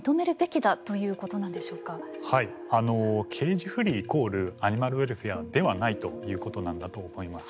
あのケージフリーイコールアニマルウェルフェアではないということなんだと思います。